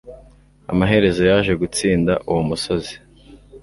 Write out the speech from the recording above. Amaherezo yaje gutsinda uwo musozi